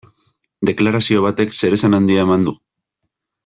Deklarazio batek zeresan handia eman du.